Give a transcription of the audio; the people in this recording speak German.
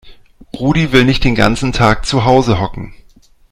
Rudi will nicht den ganzen Tag zu Hause hocken.